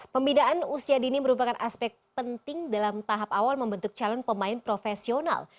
pembinaan usia dini merupakan aspek penting dalam tahap awal membentuk calon pemain profesional